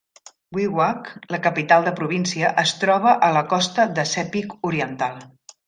Wewak, la capital de província, es troba a la costa de Sepik Oriental.